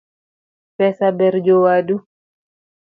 Pesa ber jowadu.